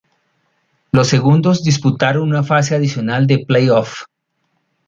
Los ocho segundos disputaron una fase adicional de play off.